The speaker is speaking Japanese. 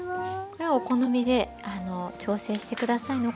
これはお好みで調整して下さいね。